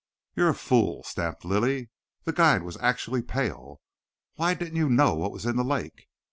"You're a fool," snapped Lilly. The guide was actually pale. "Why, didn't you know what was in the lake?"